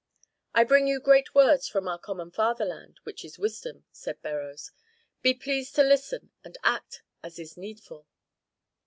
"I bring you great words from our common fatherland, which is Wisdom," said Beroes. "Be pleased to listen and act as is needful."